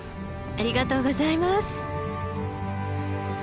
ありがとうございます！